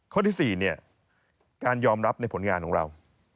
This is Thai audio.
ข้อที่๔เนี่ยการยอมรับในผลงานของเรา